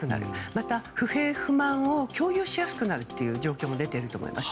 また、不平不満を共有しやすくなる状況も出ていると思います。